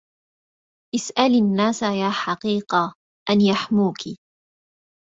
اسألي الناس يا حقيقة أن يحموك